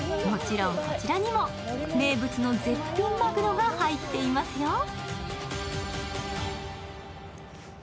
もちろんこちらにも名物の絶品まぐろが入っていますよ。